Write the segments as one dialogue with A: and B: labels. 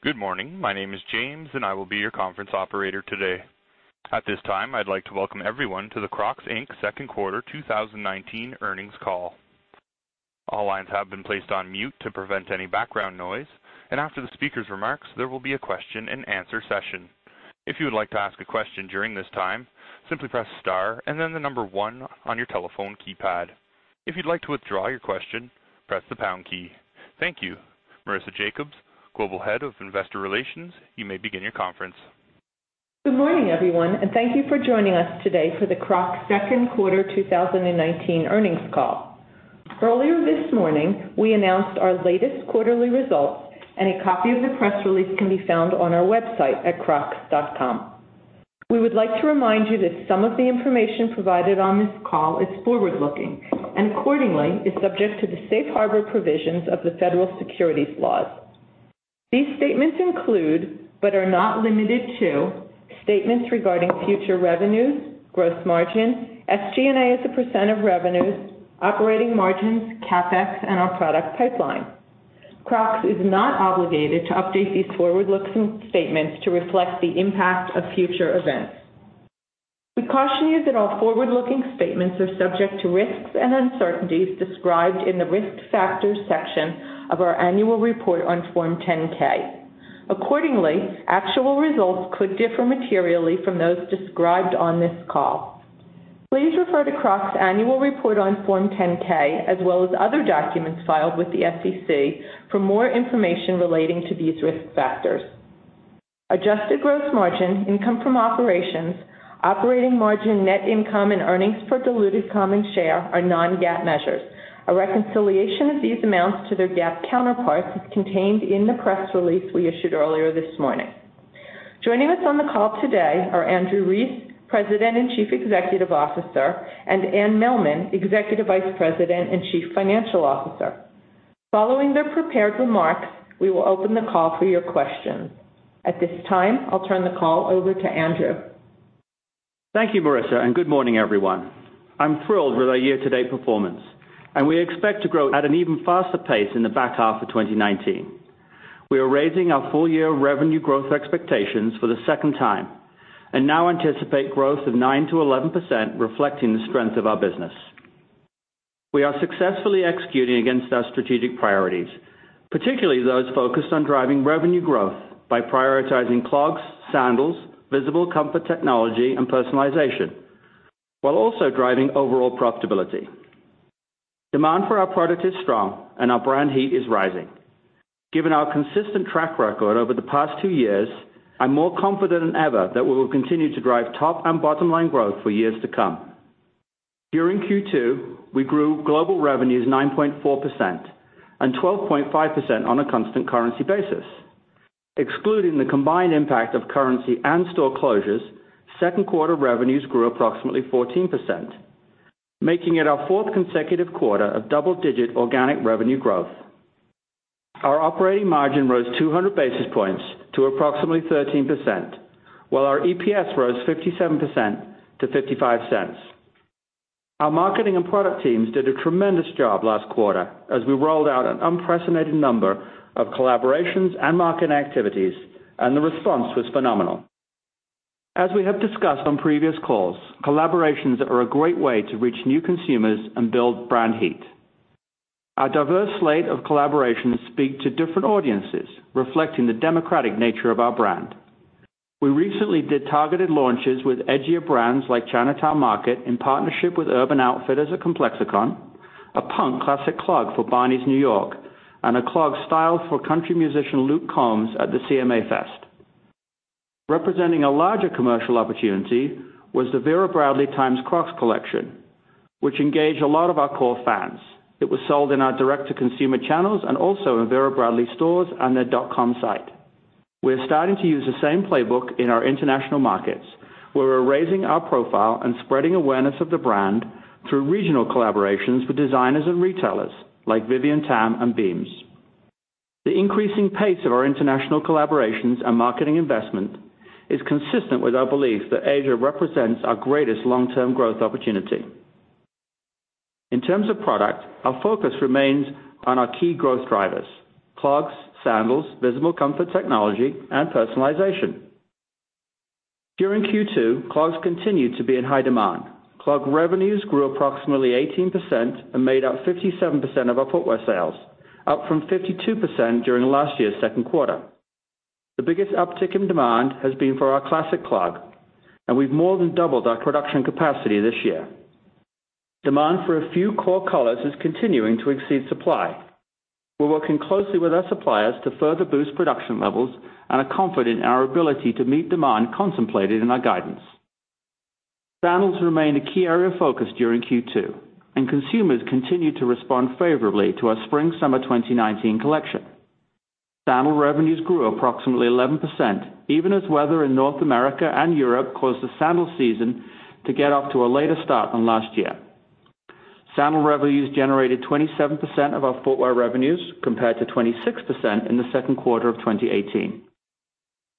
A: Good morning. My name is Jim, and I will be your Conference Operator today. At this time, I'd like to welcome everyone to the Crocs Inc Second Quarter 2019 Earnings Call. All lines have been placed on mute to prevent any background noise. After the speaker's remarks, there will be a question and answer session. If you would like to ask a question during this time, simply press star and then the number one on your telephone keypad. If you'd like to withdraw your question, press the pound key. Thank you. Marisa Jacobs, Global Head of Investor Relations, you may begin your conference.
B: Good morning, everyone, and thank you for joining us today for the Crocs Second Quarter 2019 Earnings Call. Earlier this morning, we announced our latest quarterly results, and a copy of the press release can be found on our website at crocs.com. We would like to remind you that some of the information provided on this call is forward-looking, and accordingly, is subject to the safe harbor provisions of the federal securities laws. These statements include, but are not limited to, statements regarding future revenues, gross margin, SG&A as a percent of revenues, operating margins, CapEx, and our product pipeline. Crocs is not obligated to update these forward-looking statements to reflect the impact of future events. We caution you that all forward-looking statements are subject to risks and uncertainties described in the Risk Factors section of our annual report on Form 10-K. Accordingly, actual results could differ materially from those described on this call. Please refer to Crocs' annual report on Form 10-K as well as other documents filed with the SEC for more information relating to these risk factors. Adjusted gross margin, income from operations, operating margin, net income, and earnings per diluted common share are non-GAAP measures. A reconciliation of these amounts to their GAAP counterparts is contained in the press release we issued earlier this morning. Joining us on the call today are Andrew Rees, President and Chief Executive Officer, and Anne Mehlman, Executive Vice President and Chief Financial Officer. Following their prepared remarks, we will open the call for your questions. At this time, I'll turn the call over to Andrew.
C: Thank you, Marisa, and good morning, everyone. I'm thrilled with our year-to-date performance, and we expect to grow at an even faster pace in the back half of 2019. We are raising our full-year revenue growth expectations for the second time, and now anticipate growth of 9%-11%, reflecting the strength of our business. We are successfully executing against our strategic priorities, particularly those focused on driving revenue growth by prioritizing clogs, sandals, visible comfort technology, and personalization, while also driving overall profitability. Demand for our product is strong, and our brand heat is rising. Given our consistent track record over the past two years, I'm more confident than ever that we will continue to drive top and bottom-line growth for years to come. During Q2, we grew global revenues 9.4%, and 12.5% on a constant currency basis. Excluding the combined impact of currency and store closures, second quarter revenues grew approximately 14%, making it our fourth consecutive quarter of double-digit organic revenue growth. Our operating margin rose 200 basis points to approximately 13%, while our EPS rose 57% to $0.55. Our marketing and product teams did a tremendous job last quarter as we rolled out an unprecedented number of collaborations and marketing activities, and the response was phenomenal. As we have discussed on previous calls, collaborations are a great way to reach new consumers and build brand heat. Our diverse slate of collaborations speak to different audiences, reflecting the democratic nature of our brand. We recently did targeted launches with edgier brands like Chinatown Market in partnership with Urban Outfitters and ComplexCon, a punk Classic Clog for Barneys New York, and a Clog styled for country musician Luke Combs at the CMA Fest. Representing a larger commercial opportunity was the Vera Bradley times Crocs collection, which engaged a lot of our core fans. It was sold in our direct-to-consumer channels and also in Vera Bradley stores and their .com site. We're starting to use the same playbook in our international markets, where we're raising our profile and spreading awareness of the brand through regional collaborations with designers and retailers like Vivienne Tam and BEAMS. The increasing pace of our international collaborations and marketing investment is consistent with our belief that Asia represents our greatest long-term growth opportunity. In terms of product, our focus remains on our key growth drivers: Clogs, sandals, visible comfort, technology, and personalization. During Q2, Clogs continued to be in high demand. Clog revenues grew approximately 18% and made up 57% of our footwear sales, up from 52% during last year's second quarter. The biggest uptick in demand has been for our Classic Clog, and we've more than doubled our production capacity this year. Demand for a few core colors is continuing to exceed supply. We're working closely with our suppliers to further boost production levels and are confident in our ability to meet demand contemplated in our guidance. Sandals remained a key area of focus during Q2, and consumers continued to respond favorably to our spring/summer 2019 collection. Sandal revenues grew approximately 11%, even as weather in North America and Europe caused the sandal season to get off to a later start than last year. Sandals revenues generated 27% of our footwear revenues, compared to 26% in the second quarter of 2018.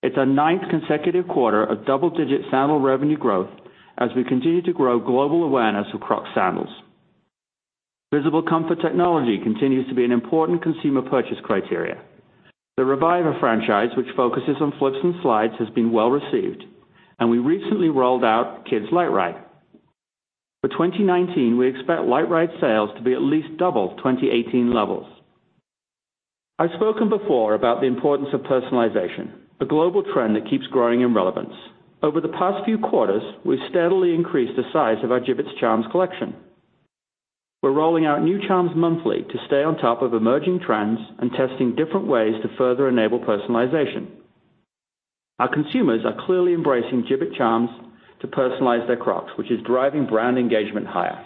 C: It's our ninth consecutive quarter of double-digit sandal revenue growth as we continue to grow global awareness of Crocs sandals. Visible comfort technology continues to be an important consumer purchase criteria. The Reviva franchise, which focuses on flips and slides, has been well-received, and we recently rolled out Kids LiteRide. For 2019, we expect LiteRide sales to be at least double 2018 levels. I've spoken before about the importance of personalization, a global trend that keeps growing in relevance. Over the past few quarters, we've steadily increased the size of our Jibbitz charms collection. We're rolling out new charms monthly to stay on top of emerging trends and testing different ways to further enable personalization. Our consumers are clearly embracing Jibbitz charms to personalize their Crocs, which is driving brand engagement higher.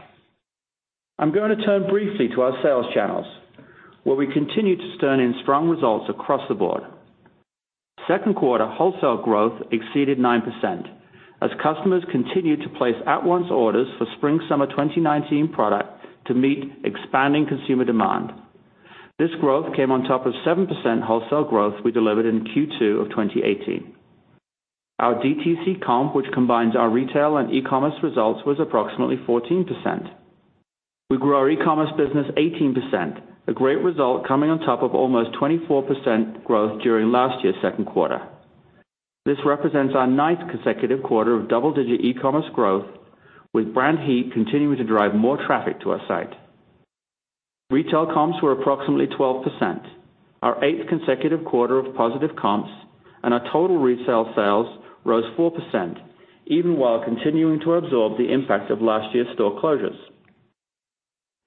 C: I'm going to turn briefly to our sales channels, where we continue to turn in strong results across the board. Second quarter wholesale growth exceeded 9%, as customers continued to place at-once orders for spring/summer 2019 product to meet expanding consumer demand. This growth came on top of 7% wholesale growth we delivered in Q2 of 2018. Our DTC comp, which combines our retail and e-commerce results, was approximately 14%. We grew our e-commerce business 18%, a great result coming on top of almost 24% growth during last year's second quarter. This represents our ninth consecutive quarter of double-digit e-commerce growth, with brand heat continuing to drive more traffic to our site. Retail comps were approximately 12%, our eighth consecutive quarter of positive comps, and our total retail sales rose 4%, even while continuing to absorb the impact of last year's store closures.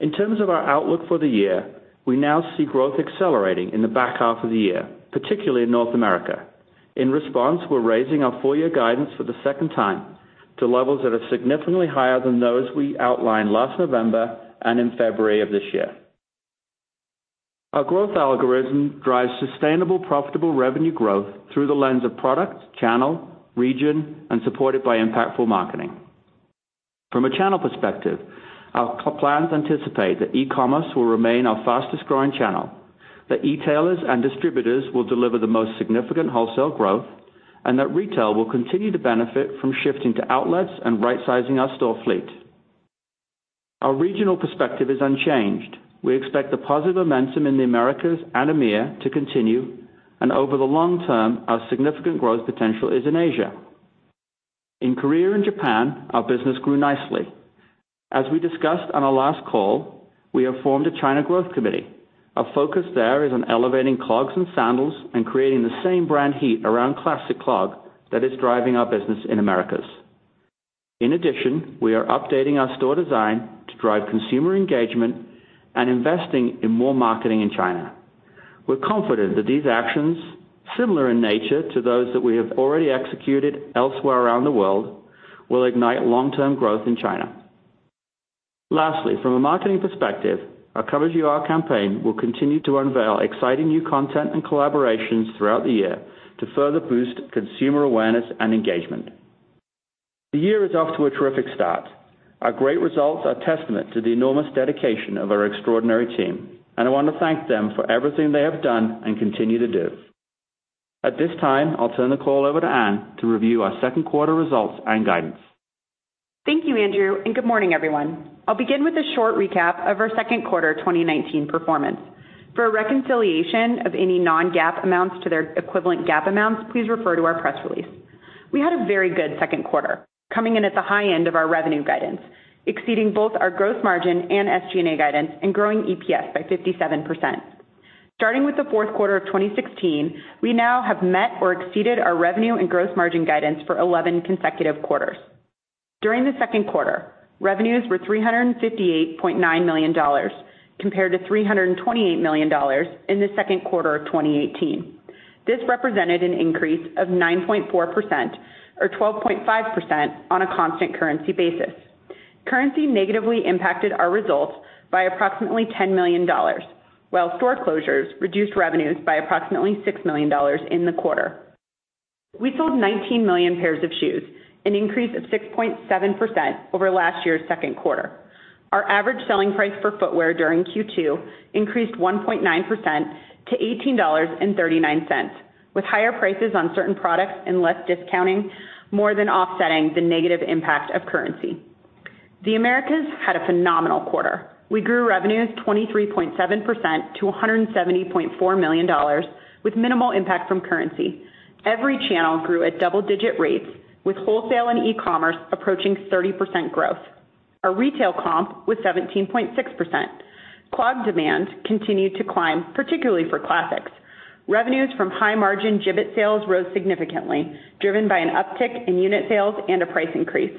C: In terms of our outlook for the year, we now see growth accelerating in the back half of the year, particularly in North America. In response, we're raising our full-year guidance for the second time to levels that are significantly higher than those we outlined last November and in February of this year. Our growth algorithm drives sustainable, profitable revenue growth through the lens of product, channel, region, and supported by impactful marketing. From a channel perspective, our plans anticipate that e-commerce will remain our fastest-growing channel, that e-tailers and distributors will deliver the most significant wholesale growth, and that retail will continue to benefit from shifting to outlets and right-sizing our store fleet. Our regional perspective is unchanged. We expect the positive momentum in the Americas and EMEA to continue, and over the long term, our significant growth potential is in Asia. In Korea and Japan, our business grew nicely. As we discussed on our last call, we have formed a China growth committee. Our focus there is on elevating clogs and sandals and creating the same brand heat around Classic Clog that is driving our business in Americas. We are updating our store design to drive consumer engagement and investing in more marketing in China. We're confident that these actions, similar in nature to those that we have already executed elsewhere around the world, will ignite long-term growth in China. From a marketing perspective, our Come As You Are campaign will continue to unveil exciting new content and collaborations throughout the year to further boost consumer awareness and engagement. The year is off to a terrific start. Our great results are testament to the enormous dedication of our extraordinary team, and I want to thank them for everything they have done and continue to do. At this time, I'll turn the call over to Anne to review our second quarter results and guidance.
D: Thank you, Andrew. Good morning, everyone. I'll begin with a short recap of our second quarter 2019 performance. For a reconciliation of any non-GAAP amounts to their equivalent GAAP amounts, please refer to our press release. We had a very good second quarter, coming in at the high end of our revenue guidance, exceeding both our gross margin and SG&A guidance and growing EPS by 57%. Starting with the fourth quarter of 2016, we now have met or exceeded our revenue and gross margin guidance for 11 consecutive quarters. During the second quarter, revenues were $358.9 million, compared to $328 million in the second quarter of 2018. This represented an increase of 9.4%, or 12.5% on a constant currency basis. Currency negatively impacted our results by approximately $10 million, while store closures reduced revenues by approximately $6 million in the quarter. We sold 19 million pairs of shoes, an increase of 6.7% over last year's second quarter. Our average selling price for footwear during Q2 increased 1.9% to $18.39, with higher prices on certain products and less discounting more than offsetting the negative impact of currency. The Americas had a phenomenal quarter. We grew revenues 23.7% to $170.4 million, with minimal impact from currency. Every channel grew at double-digit rates, with wholesale and e-commerce approaching 30% growth. Our retail comp was 17.6%. Clog demand continued to climb, particularly for Classics. Revenues from high-margin Jibbitz sales rose significantly, driven by an uptick in unit sales and a price increase.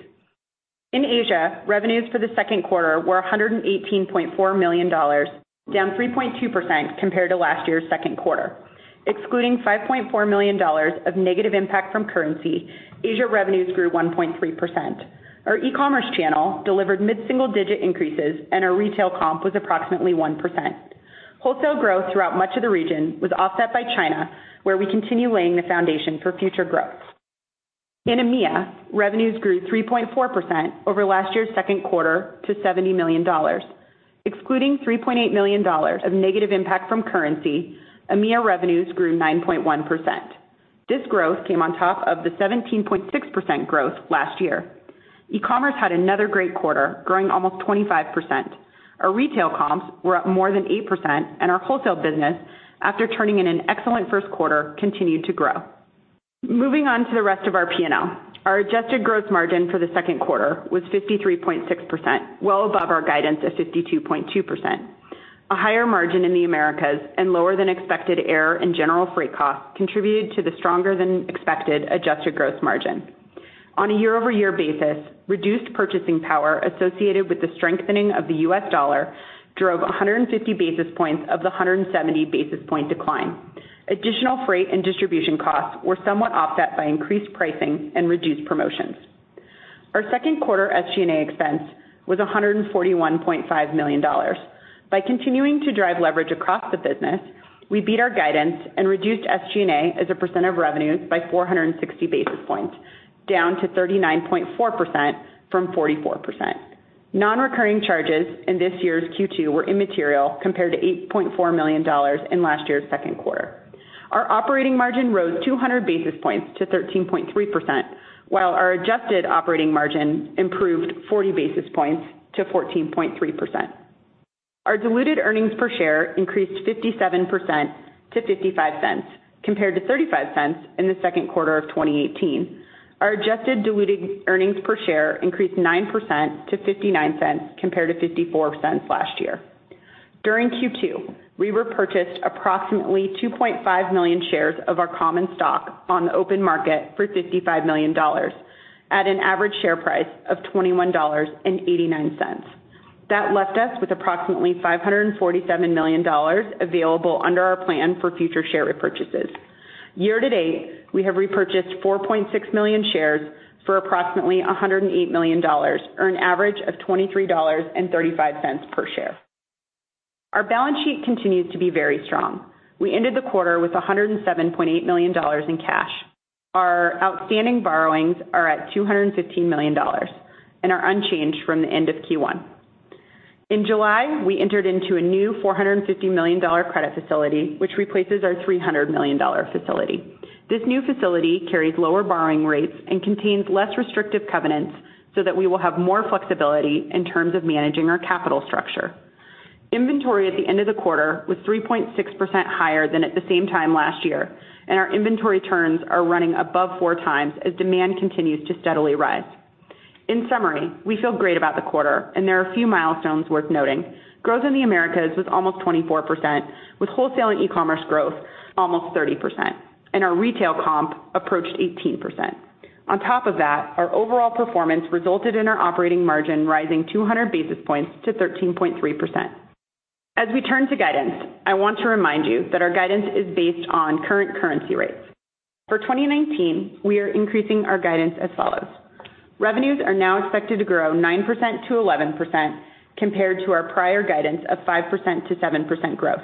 D: In Asia, revenues for the second quarter were $118.4 million, down 3.2% compared to last year's second quarter. Excluding $5.4 million of negative impact from currency, Asia revenues grew 1.3%. Our e-commerce channel delivered mid-single-digit increases, and our retail comp was approximately 1%. Wholesale growth throughout much of the region was offset by China, where we continue laying the foundation for future growth. In EMEA, revenues grew 3.4% over last year's second quarter to $70 million. Excluding $3.8 million of negative impact from currency, EMEA revenues grew 9.1%. This growth came on top of the 17.6% growth last year. E-commerce had another great quarter, growing almost 25%. Our retail comps were up more than 8%, and our wholesale business, after turning in an excellent first quarter, continued to grow. Moving on to the rest of our P&L. Our adjusted gross margin for the second quarter was 53.6%, well above our guidance of 52.2%. A higher margin in the Americas and lower than expected air and general freight costs contributed to the stronger than expected adjusted gross margin. On a year-over-year basis, reduced purchasing power associated with the strengthening of the U.S. dollar drove 150 basis points of the 170 basis point decline. Additional freight and distribution costs were somewhat offset by increased pricing and reduced promotions. Our second quarter SG&A expense was $141.5 million. By continuing to drive leverage across the business, we beat our guidance and reduced SG&A as a percent of revenues by 460 basis points, down to 39.4% from 44%. Non-recurring charges in this year's Q2 were immaterial compared to $8.4 million in last year's second quarter. Our operating margin rose 200 basis points to 13.3%, while our adjusted operating margin improved 40 basis points to 14.3%. Our diluted earnings per share increased 57% to $0.55, compared to $0.35 in the second quarter of 2018. Our adjusted diluted earnings per share increased 9% to $0.59, compared to $0.54 last year. During Q2, we repurchased approximately 2.5 million shares of our common stock on the open market for $55 million, at an average share price of $21.89. That left us with approximately $547 million available under our plan for future share repurchases. Year-to-date, we have repurchased 4.6 million shares for approximately $108 million, or an average of $23.35 per share. Our balance sheet continues to be very strong. We ended the quarter with $107.8 million in cash. Our outstanding borrowings are at $215 million and are unchanged from the end of Q1. In July, we entered into a new $450 million credit facility, which replaces our $300 million facility. This new facility carries lower borrowing rates and contains less restrictive covenants so that we will have more flexibility in terms of managing our capital structure. Inventory at the end of the quarter was 3.6% higher than at the same time last year, and our inventory turns are running above 4 times as demand continues to steadily rise. In summary, we feel great about the quarter and there are a few milestones worth noting. Growth in the Americas was almost 24%, with wholesale and e-commerce growth almost 30%, and our retail comp approached 18%. On top of that, our overall performance resulted in our operating margin rising 200 basis points to 13.3%. As we turn to guidance, I want to remind you that our guidance is based on current currency rates. For 2019, we are increasing our guidance as follows. Revenues are now expected to grow 9%-11%, compared to our prior guidance of 5%-7% growth.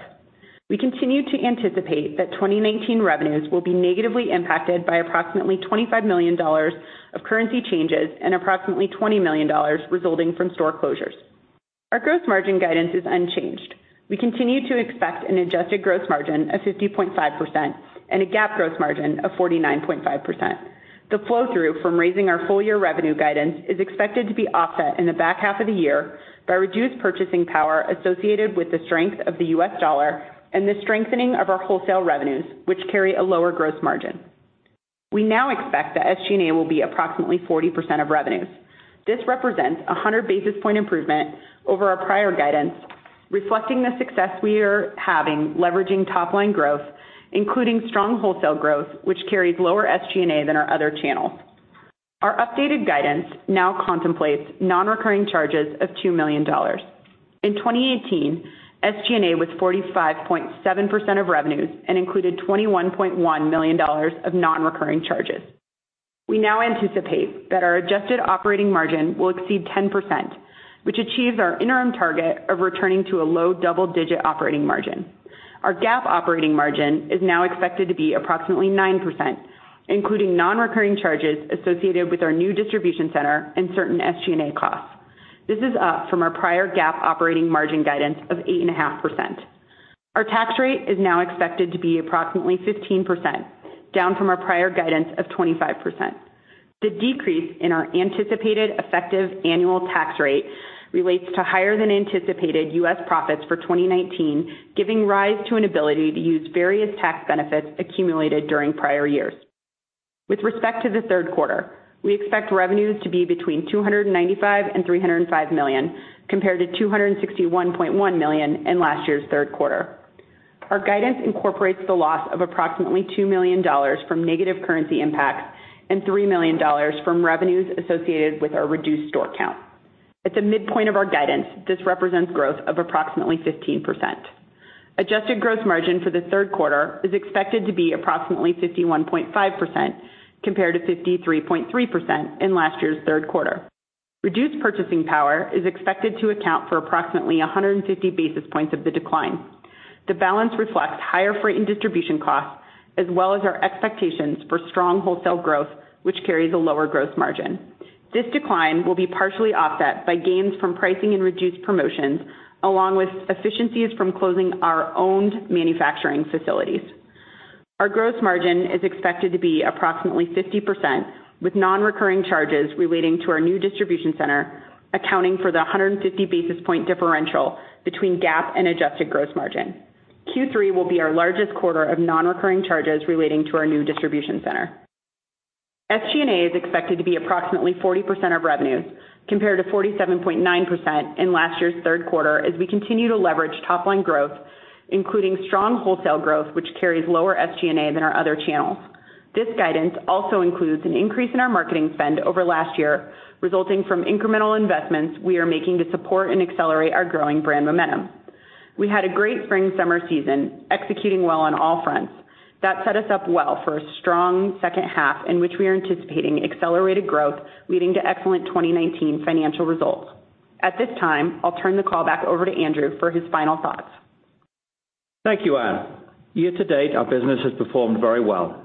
D: We continue to anticipate that 2019 revenues will be negatively impacted by approximately $25 million of currency changes and approximately $20 million resulting from store closures. Our gross margin guidance is unchanged. We continue to expect an adjusted gross margin of 50.5% and a GAAP gross margin of 49.5%. The flow-through from raising our full-year revenue guidance is expected to be offset in the back half of the year by reduced purchasing power associated with the strength of the U.S. dollar and the strengthening of our wholesale revenues, which carry a lower gross margin. We now expect that SG&A will be approximately 40% of revenues. This represents a 100 basis point improvement over our prior guidance, reflecting the success we are having leveraging top-line growth, including strong wholesale growth, which carries lower SG&A than our other channels. Our updated guidance now contemplates non-recurring charges of $2 million. In 2018, SG&A was 45.7% of revenues and included $21.1 million of non-recurring charges. We now anticipate that our adjusted operating margin will exceed 10%, which achieves our interim target of returning to a low double-digit operating margin. Our GAAP operating margin is now expected to be approximately 9%, including non-recurring charges associated with our new distribution center and certain SG&A costs. This is up from our prior GAAP operating margin guidance of 8.5%. Our tax rate is now expected to be approximately 15%, down from our prior guidance of 25%. The decrease in our anticipated effective annual tax rate relates to higher than anticipated U.S. profits for 2019, giving rise to an ability to use various tax benefits accumulated during prior years. With respect to the third quarter, we expect revenues to be between $295 million and $305 million, compared to $261.1 million in last year's third quarter. Our guidance incorporates the loss of $2 million from negative currency impacts and $3 million from revenues associated with our reduced store count. At the midpoint of our guidance, this represents growth of 15%. Adjusted gross margin for the third quarter is expected to be 51.5%, compared to 53.3% in last year's third quarter. Reduced purchasing power is expected to account for 150 basis points of the decline. The balance reflects higher freight and distribution costs, as well as our expectations for strong wholesale growth, which carries a lower gross margin. This decline will be partially offset by gains from pricing and reduced promotions, along with efficiencies from closing our owned manufacturing facilities. Our gross margin is expected to be 50%, with non-recurring charges relating to our new distribution center, accounting for the 150 basis point differential between GAAP and adjusted gross margin. Q3 will be our largest quarter of non-recurring charges relating to our new distribution center. SG&A is expected to be approximately 40% of revenues compared to 47.9% in last year's third quarter, as we continue to leverage top-line growth, including strong wholesale growth, which carries lower SG&A than our other channels. This guidance also includes an increase in our marketing spend over last year, resulting from incremental investments we are making to support and accelerate our growing brand momentum. We had a great spring-summer season, executing well on all fronts. That set us up well for a strong second half in which we are anticipating accelerated growth, leading to excellent 2019 financial results. At this time, I'll turn the call back over to Andrew for his final thoughts.
C: Thank you, Anne. Year-to-date, our business has performed very well,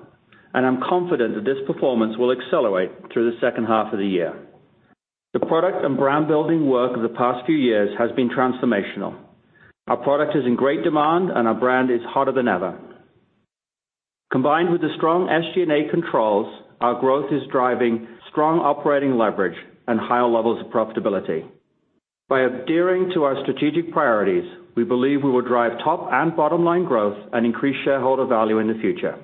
C: and I'm confident that this performance will accelerate through the second half of the year. The product and brand-building work of the past few years has been transformational. Our product is in great demand, and our brand is hotter than ever. Combined with the strong SG&A controls, our growth is driving strong operating leverage and higher levels of profitability. By adhering to our strategic priorities, we believe we will drive top and bottom-line growth and increase shareholder value in the future.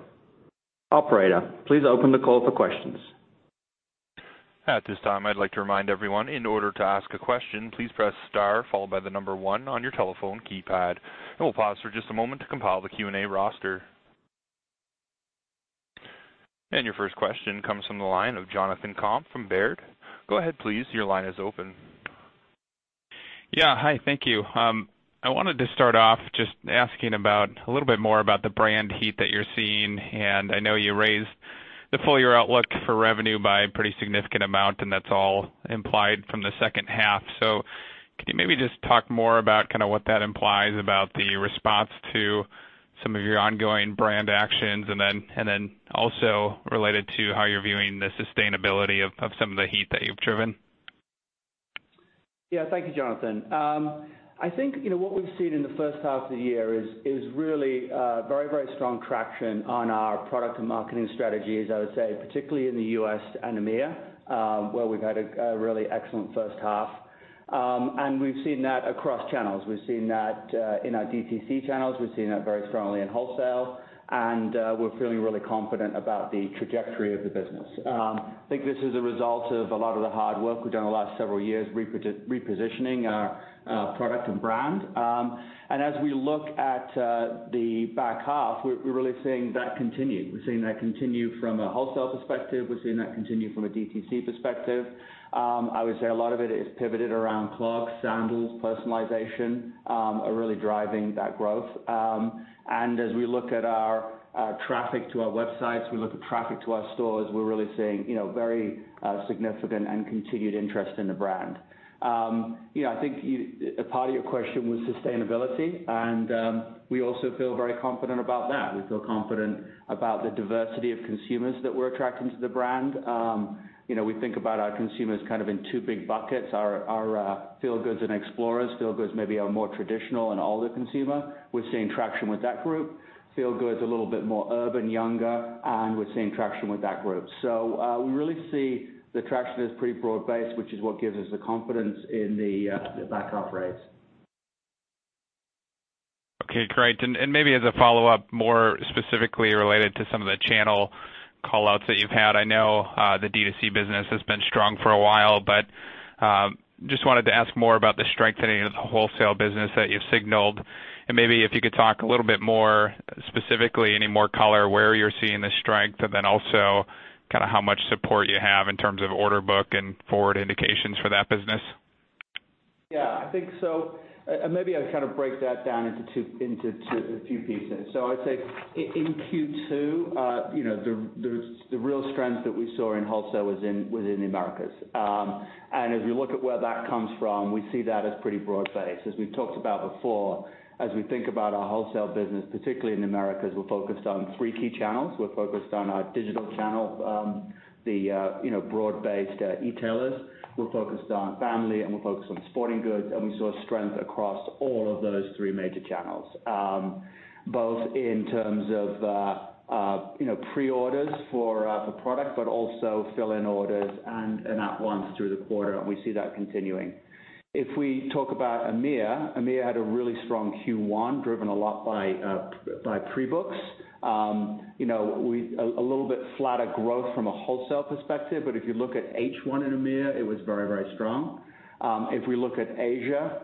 C: Operator, please open the call for questions.
A: At this time, I'd like to remind everyone, in order to ask a question, please press star followed by the number one on your telephone keypad. We'll pause for just a moment to compile the Q&A roster. Your first question comes from the line of Jonathan Komp from Baird. Go ahead, please. Your line is open.
E: Yeah. Hi, thank you. I wanted to start off just asking a little bit more about the brand heat that you're seeing. I know you raised the full year outlook for revenue by a pretty significant amount, and that's all implied from the second half. Can you maybe just talk more about what that implies about the response to some of your ongoing brand actions, and then also related to how you're viewing the sustainability of some of the heat that you've driven?
C: Yeah. Thank you, Jonathan. I think what we've seen in the first half of the year is really very strong traction on our product and marketing strategies. I would say particularly in the U.S. and EMEA, where we've had a really excellent first half. We've seen that across channels. We've seen that in our DTC channels. We've seen that very strongly in wholesale, and we're feeling really confident about the trajectory of the business. I think this is a result of a lot of the hard work we've done in the last several years repositioning our product and brand. As we look at the back half, we're really seeing that continue. We're seeing that continue from a wholesale perspective. We're seeing that continue from a DTC perspective. I would say a lot of it is pivoted around clogs, sandals, personalization, are really driving that growth. As we look at our traffic to our websites, we look at traffic to our stores, we're really seeing very significant and continued interest in the brand. I think a part of your question was sustainability, and we also feel very confident about that. We feel confident about the diversity of consumers that we're attracting to the brand. We think about our consumers in two big buckets. Our Feel Goods and Explorers. Feel Goods maybe are more traditional and older consumer. We're seeing traction with that group. Feel Good is a little bit more urban, younger, and we're seeing traction with that group. We really see the traction is pretty broad-based, which is what gives us the confidence in the back half rates.
E: Okay, great. Maybe as a follow-up, more specifically related to some of the channel callouts that you've had. I know the DTC business has been strong for a while, but just wanted to ask more about the strengthening of the wholesale business that you've signaled. Maybe if you could talk a little bit more specifically, any more color where you're seeing the strength, and then also how much support you have in terms of order book and forward indications for that business.
C: Yeah, I think so. Maybe I would break that down into a few pieces. I'd say in Q2, the real strength that we saw in wholesale was within the Americas. As we look at where that comes from, we see that as pretty broad based. As we've talked about before, as we think about our wholesale business, particularly in Americas, we're focused on three key channels. We're focused on our digital channel, the broad-based e-tailers. We're focused on family, and we're focused on sporting goods, and we saw strength across all of those three major channels. Both in terms of pre-orders for the product, but also fill-in orders and at once through the quarter, and we see that continuing. If we talk about EMEA, EMEA had a really strong Q1, driven a lot by pre-books. A little bit flatter growth from a wholesale perspective, but if you look at H1 in EMEA, it was very strong. If we look at Asia,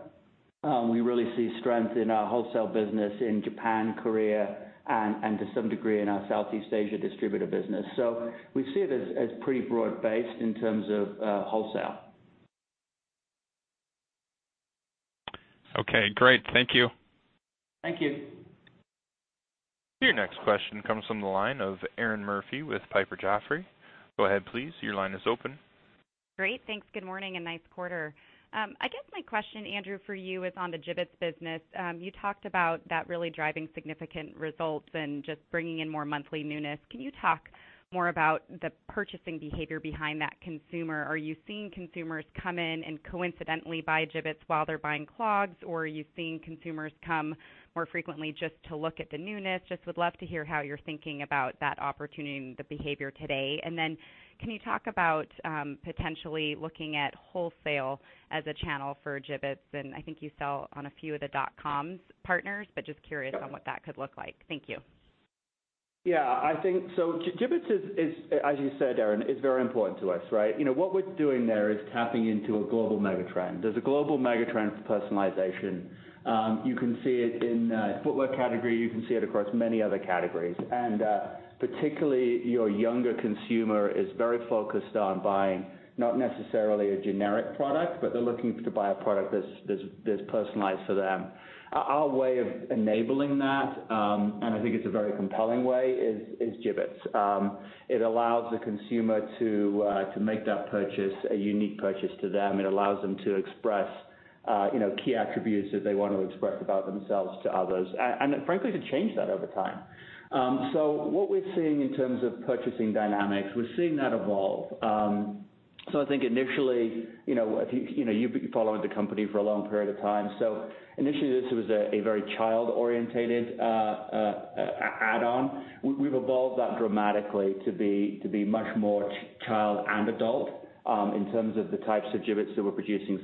C: we really see strength in our wholesale business in Japan, Korea, and to some degree, in our Southeast Asia distributor business. We see it as pretty broad based in terms of wholesale.
E: Okay, great. Thank you.
C: Thank you.
A: Your next question comes from the line of Erinn Murphy with Piper Jaffray. Go ahead please, your line is open.
F: Great. Thanks. Good morning and nice quarter. I guess my question, Andrew, for you is on the Jibbitz business. You talked about that really driving significant results and just bringing in more monthly newness. Can you talk more about the purchasing behavior behind that consumer? Are you seeing consumers come in and coincidentally buy Jibbitz while they're buying clogs, or are you seeing consumers come more frequently just to look at the newness? Just would love to hear how you're thinking about that opportunity and the behavior today. Then can you talk about potentially looking at wholesale as a channel for Jibbitz? I think you sell on a few of the dot-com partners, but just curious on what that could look like. Thank you.
C: Yeah. Jibbitz is, as you said, Erinn, is very important to us, right? What we're doing there is tapping into a global mega trend. There's a global mega trend for personalization. You can see it in the footwear category. You can see it across many other categories. Particularly, your younger consumer is very focused on buying, not necessarily a generic product, but they're looking to buy a product that's personalized for them. Our way of enabling that, and I think it's a very compelling way, is Jibbitz. It allows the consumer to make that purchase a unique purchase to them. It allows them to express key attributes that they want to express about themselves to others, and frankly, to change that over time. What we're seeing in terms of purchasing dynamics, we're seeing that evolve. I think initially, you've been following the company for a long period of time. Initially this was a very child orientated add-on. We've evolved that dramatically to be much more child and adult, in terms of the types of Jibbitz that we're producing.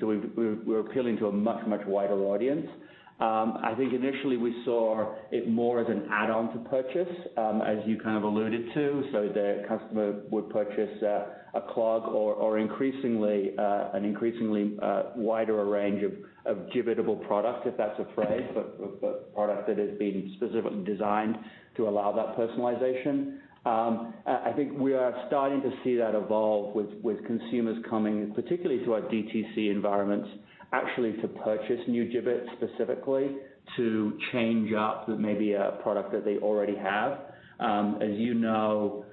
C: We're appealing to a much, much wider audience. I think initially we saw it more as an add-on to purchase, as you kind of alluded to. The customer would purchase a clog or an increasingly wider range of Jibbitz-able product, if that's a phrase, but product that has been specifically designed to allow that personalization. I think we are starting to see that evolve with consumers coming particularly to our DTC environments, actually to purchase new Jibbitz specifically to change up maybe a product that they already have. As you know,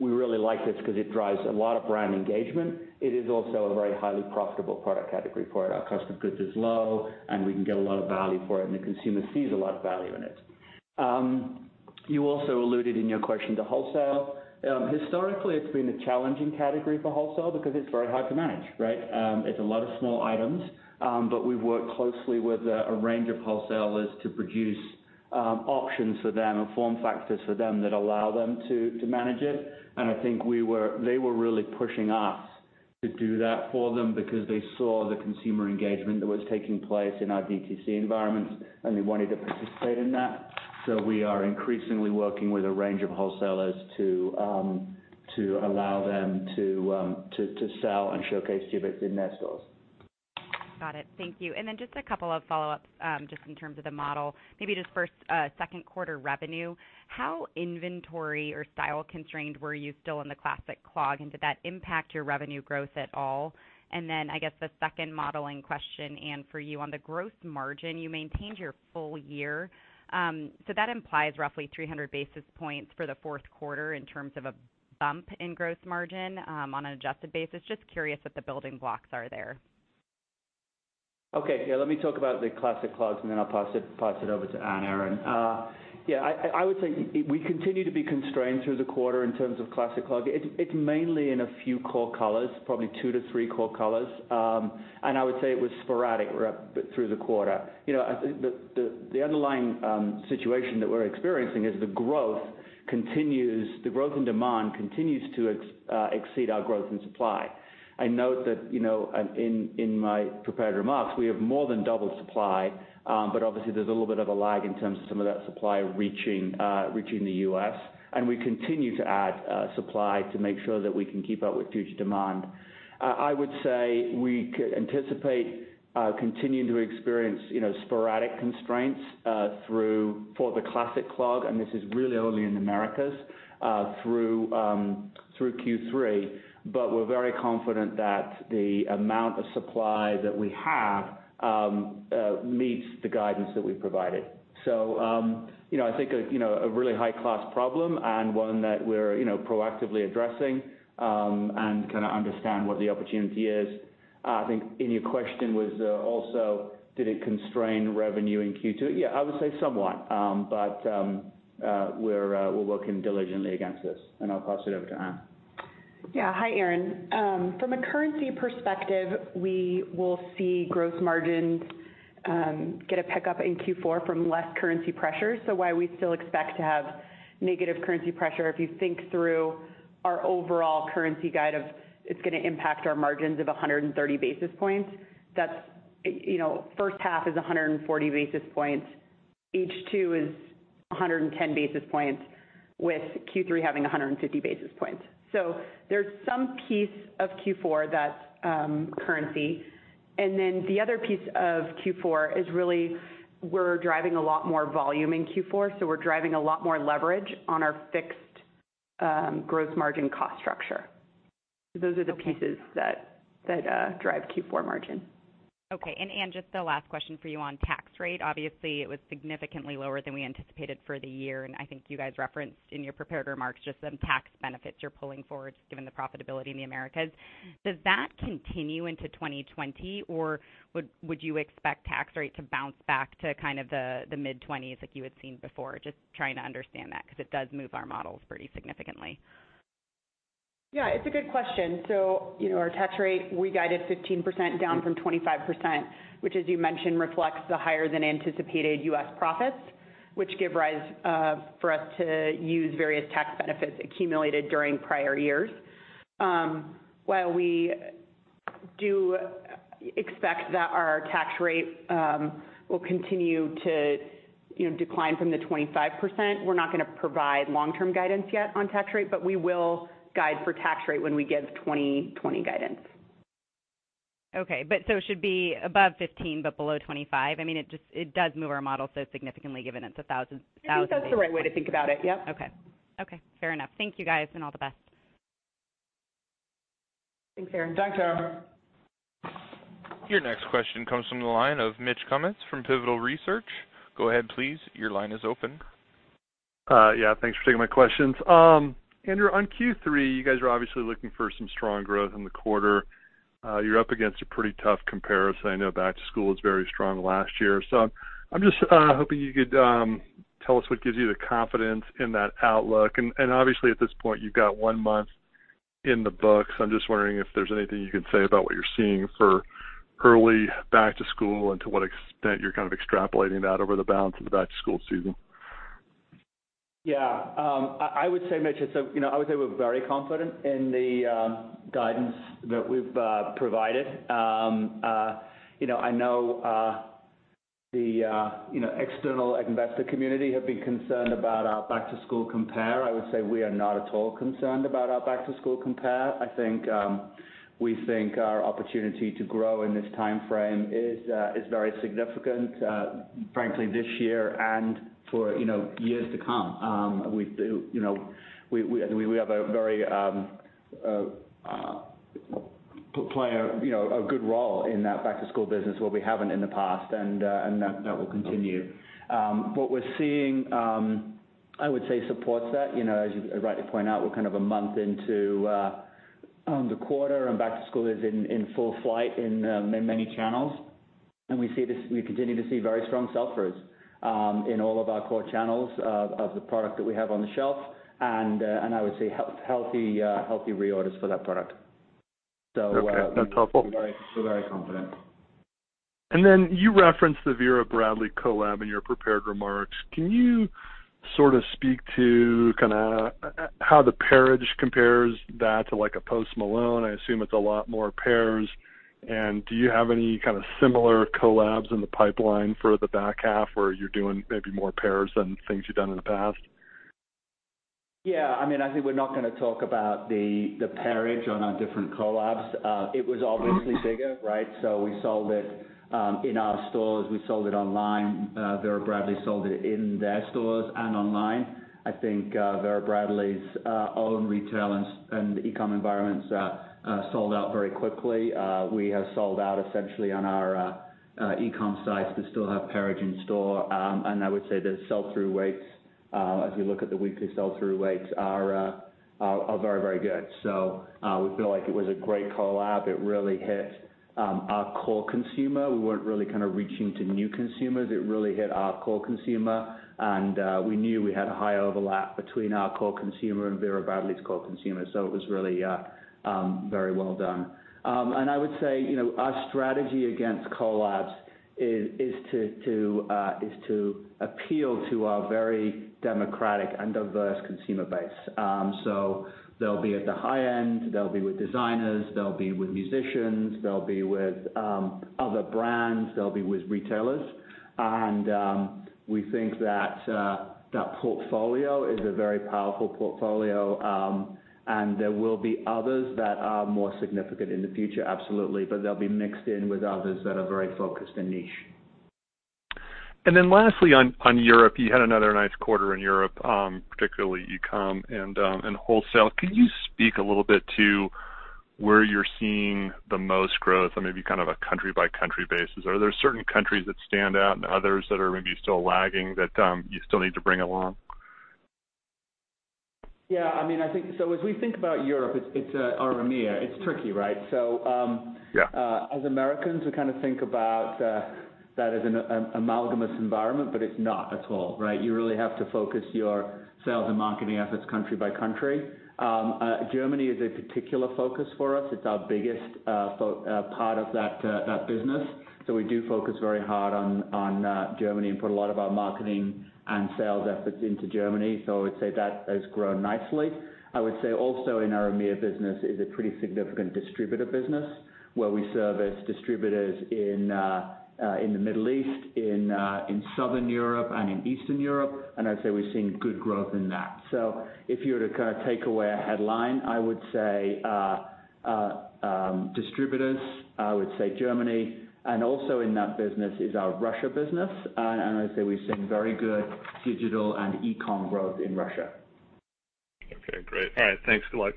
C: we really like this because it drives a lot of brand engagement. It is also a very highly profitable product category for it. Our cost of goods is low, and we can get a lot of value for it, and the consumer sees a lot of value in it. You also alluded in your question to wholesale. Historically, it's been a challenging category for wholesale because it's very hard to manage, right? It's a lot of small items. We've worked closely with a range of wholesalers to produce options for them and form factors for them that allow them to manage it. I think they were really pushing us to do that for them because they saw the consumer engagement that was taking place in our DTC environments, and they wanted to participate in that. We are increasingly working with a range of wholesalers to allow them to sell and showcase Jibbitz in their stores.
F: Got it. Thank you. Just a couple of follow-ups, just in terms of the model. Maybe just first, second quarter revenue. How inventory or style constrained were you still on the Classic Clog, and did that impact your revenue growth at all? I guess the second modeling question, Anne, for you. On the gross margin, you maintained your full year. That implies roughly 300 basis points for the fourth quarter in terms of a bump in gross margin, on an adjusted basis. Just curious what the building blocks are there.
C: Okay. Yeah. Let me talk about the Classic Clogs and then I'll pass it over to Anne, Erinn. I would say we continue to be constrained through the quarter in terms of Classic Clog. It's mainly in a few core colors, probably two to three core colors. I would say it was sporadic through the quarter. The underlying situation that we're experiencing is the growth in demand continues to exceed our growth in supply. I note that in my prepared remarks, we have more than doubled supply. Obviously there's a little bit of a lag in terms of some of that supply reaching the U.S., and we continue to add supply to make sure that we can keep up with future demand. I would say we could anticipate continuing to experience sporadic constraints for the Classic Clog, and this is really only in Americas, through Q3. We're very confident that the amount of supply that we have meets the guidance that we've provided. I think a really high-class problem and one that we're proactively addressing, and kind of understand what the opportunity is. I think, your question was also did it constrain revenue in Q2? Yeah, I would say somewhat. We're working diligently against this, and I'll pass it over to Anne.
D: Hi, Erinn. From a currency perspective, we will see gross margins get a pickup in Q4 from less currency pressure. Why we still expect to have negative currency pressure, if you think through our overall currency guide of it's going to impact our margins of 130 basis points. First half is 140 basis points. H2 is 110 basis points, with Q3 having 150 basis points. There's some piece of Q4 that's currency. The other piece of Q4 is really we're driving a lot more volume in Q4, so we're driving a lot more leverage on our fixed gross margin cost structure. Those are the pieces that drive Q4 margin.
F: Okay. Anne, just the last question for you on tax rate. Obviously, it was significantly lower than we anticipated for the year, and I think you guys referenced in your prepared remarks just some tax benefits you're pulling forward, given the profitability in the Americas. Does that continue into 2020, or would you expect tax rate to bounce back to the mid-20s like you had seen before? Just trying to understand that, because it does move our models pretty significantly.
D: Yeah. It's a good question. Our tax rate, we guided 15% down from 25%, which as you mentioned, reflects the higher than anticipated U.S. profits, which give rise for us to use various tax benefits accumulated during prior years. While we do expect that our tax rate will continue to decline from the 25%, we're not going to provide long-term guidance yet on tax rate, we will guide for tax rate when we give 2020 guidance.
F: Okay. It should be above 15, but below 25? It does move our model so significantly given it's a thousand...
D: I think that's the right way to think about it. Yep.
F: Okay. Fair enough. Thank you, guys, and all the best.
D: Thanks, Erinn.
C: Thanks, Erinn.
A: Your next question comes from the line of Mitch Kummetz from Pivotal Research. Go ahead, please. Your line is open.
G: Yeah. Thanks for taking my questions. Andrew, on Q3, you guys are obviously looking for some strong growth in the quarter. You're up against a pretty tough comparison. I know back to school was very strong last year. I'm just hoping you could tell us what gives you the confidence in that outlook. Obviously, at this point, you've got one month in the books. I'm just wondering if there's anything you can say about what you're seeing for early back to school, and to what extent you're extrapolating that over the balance of the back to school season.
C: I would say, Mitch, I would say we're very confident in the guidance that we've provided. I know the external investor community have been concerned about our back to school compare. I would say we are not at all concerned about our back to school compare. We think our opportunity to grow in this timeframe is very significant, frankly, this year and for years to come. We play a good role in that back to school business, where we haven't in the past, and that will continue. What we're seeing, I would say, supports that. As you rightly point out, we're a month into the quarter, and back to school is in full flight in many channels. We continue to see very strong sell-throughs in all of our core channels of the product that we have on the shelf. I would say healthy reorders for that product.
G: Okay. That's helpful.
C: We're very confident.
G: And then, you referenced the Vera Bradley collab in your prepared remarks. Can you speak to how the pairage compares that to, like, a Post Malone? I assume it's a lot more pairs. Do you have any similar collabs in the pipeline for the back half where you're doing maybe more pairs than things you've done in the past?
C: Yeah. I think we're not going to talk about the pairage on our different collabs. It was obviously bigger, right? We sold it in our stores. We sold it online. Vera Bradley sold it in their stores and online. I think Vera Bradley's own retail and e-com environments sold out very quickly. We have sold out essentially on our e-com sites, but still have pairage in store. I would say the sell-through rates, as we look at the weekly sell-through rates, are very good. We feel like it was a great collab. It really hit our core consumer. We weren't really reaching to new consumers. It really hit our core consumer. We knew we had a high overlap between our core consumer and Vera Bradley's core consumer. It was really very well done. I would say our strategy against collabs is to appeal to our very democratic and diverse consumer base. They'll be at the high end, they'll be with designers, they'll be with musicians, they'll be with other brands, they'll be with retailers. We think that that portfolio is a very powerful portfolio. There will be others that are more significant in the future, absolutely. They'll be mixed in with others that are very focused and niche.
G: Lastly, on Europe, you had another nice quarter in Europe, particularly e-com and wholesale. Can you speak a little bit to where you're seeing the most growth on maybe a country-by-country basis? Are there certain countries that stand out and others that are maybe still lagging that you still need to bring along?
C: Yeah. As we think about Europe, our EMEA, it's tricky, right?
G: Yeah.
C: As Americans, we think about that as an amorphous environment, but it's not at all, right? You really have to focus your sales and marketing efforts country by country. Germany is a particular focus for us. It's our biggest part of that business. We do focus very hard on Germany and put a lot of our marketing and sales efforts into Germany. I would say that has grown nicely. I would say also in our EMEA business is a pretty significant distributor business, where we service distributors in the Middle East, in Southern Europe and in Eastern Europe. I'd say we've seen good growth in that. If you were to take away a headline, I would say distributors, I would say Germany, and also in that business is our Russia business. I'd say we've seen very good digital and e-com growth in Russia.
G: Okay, great. All right. Thanks. Good luck.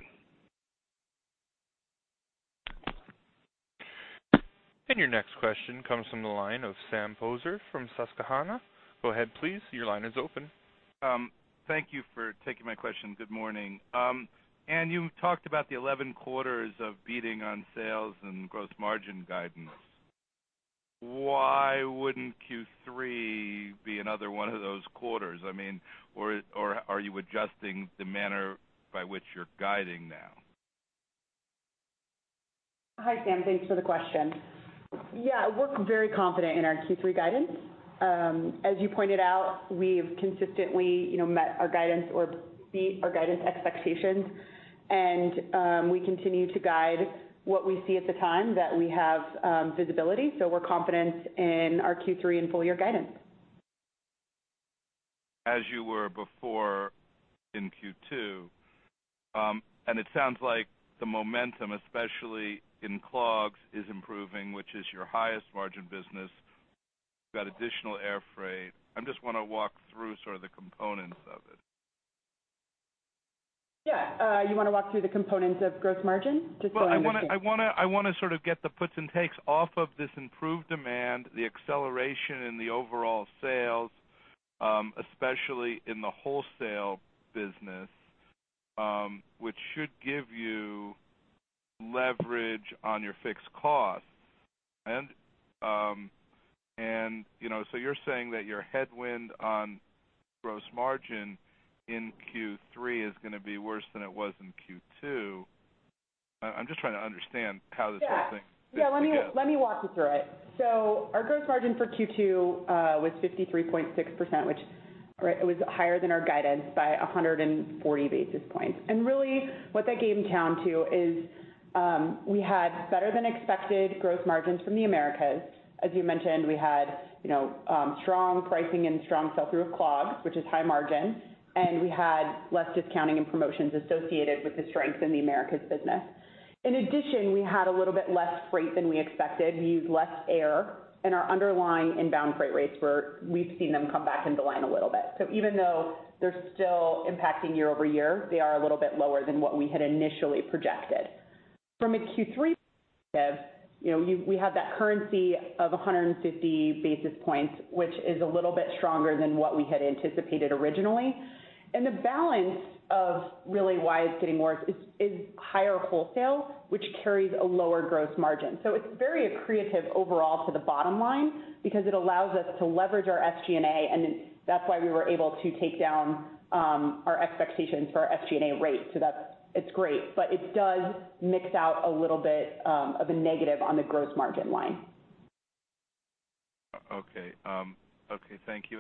A: Your next question comes from the line of Sam Poser from Susquehanna. Go ahead please, your line is open.
H: Thank you for taking my question. Good morning. Anne, you talked about the 11 quarters of beating on sales and gross margin guidance. Why wouldn't Q3 be another one of those quarters? Are you adjusting the manner by which you're guiding now?
D: Hi, Sam. Thanks for the question. Yeah, we're very confident in our Q3 guidance. As you pointed out, we've consistently met our guidance or beat our guidance expectations, and we continue to guide what we see at the time that we have visibility. We're confident in our Q3 and full year guidance.
H: As you were before in Q2. It sounds like the momentum, especially in clogs, is improving, which is your highest margin business. You've got additional air freight. I just want to walk through sort of the components of it.
D: Yeah. You want to walk through the components of gross margin just so I understand?
H: Well, I want to sort of get the puts and takes off of this improved demand, the acceleration in the overall sales, especially in the wholesale business, which should give you leverage on your fixed costs. You're saying that your headwind on gross margin in Q3 is going to be worse than it was in Q2. I'm just trying to understand how this whole thing fits together.
D: Yeah. Let me walk you through it. Our gross margin for Q2 was 53.6%, which was higher than our guidance by 140 basis points. Really what that came down to is we had better than expected gross margins from the Americas. As you mentioned, we had strong pricing and strong sell-through of clogs, which is high margin, and we had less discounting and promotions associated with the strength in the Americas business. In addition, we had a little bit less freight than we expected. We used less air, and our underlying inbound freight rates. We've seen them come back into line a little bit. Even though they're still impacting year-over-year, they are a little bit lower than what we had initially projected. From a Q3 perspective, we have that currency of 150 basis points, which is a little bit stronger than what we had anticipated originally. The balance of really why it's getting worse is higher wholesale, which carries a lower gross margin. It's very accretive overall to the bottom line because it allows us to leverage our SG&A, and that's why we were able to take down our expectations for our SG&A rate. It's great, but it does mix out a little bit of a negative on the gross margin line.
H: Okay. Thank you.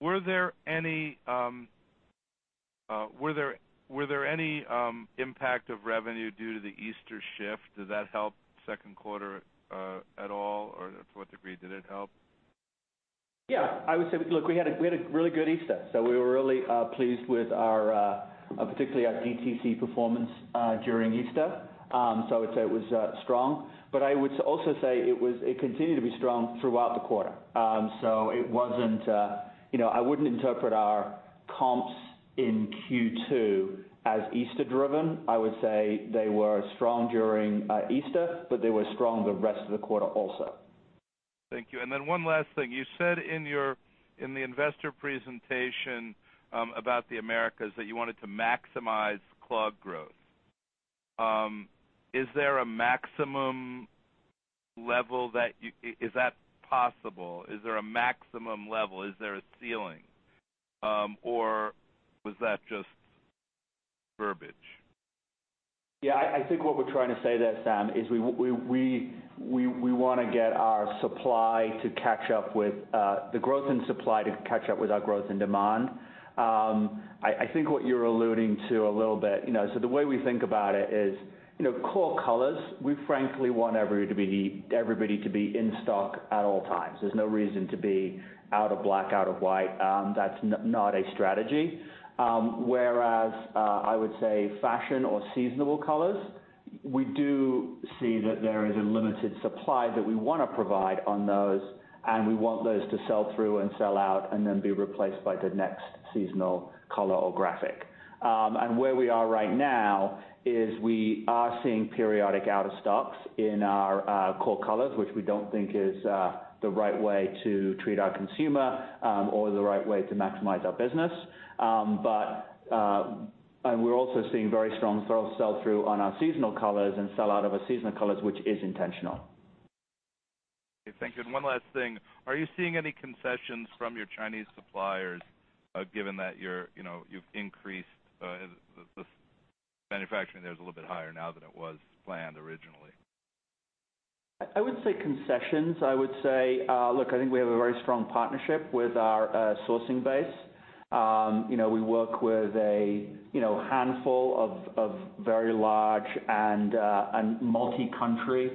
H: Were there any impact of revenue due to the Easter shift? Did that help second quarter at all, or to what degree did it help?
C: Yeah. I would say, look, we had a really good Easter. We were really pleased with particularly our DTC performance during Easter. I would also say it continued to be strong throughout the quarter. I wouldn't interpret our comps in Q2 as Easter driven. I would say they were strong during Easter, but they were strong the rest of the quarter also.
H: Thank you. One last thing. You said in the investor presentation about the Americas that you wanted to maximize clog growth. Is there a maximum level? Is that possible? Is there a maximum level? Is there a ceiling? Was that just verbiage?
C: I think what we're trying to say there, Sam, is we want to get our supply to catch up with the growth in supply to catch up with our growth in demand. I think what you're alluding to. The way we think about it is core colors, we frankly want everybody to be in stock at all times. There's no reason to be out of black, out of white. That's not a strategy. Whereas, I would say fashion or seasonal colors, we do see that there is a limited supply that we want to provide on those, and we want those to sell through and sell out and then be replaced by the next seasonal color or graphic. Where we are right now is we are seeing periodic out of stocks in our core colors, which we don't think is the right way to treat our consumer or the right way to maximize our business. We're also seeing very strong sell-through on our seasonal colors and sell out of our seasonal colors, which is intentional.
H: Thank you. One last thing. Are you seeing any concessions from your Chinese suppliers, given that the manufacturing there is a little bit higher now than it was planned originally?
C: I wouldn't say concessions. I would say, look, I think we have a very strong partnership with our sourcing base. We work with a handful of very large and multi-country